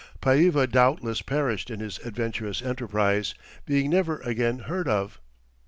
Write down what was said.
Païva doubtless perished in his adventurous enterprise, being never again heard of.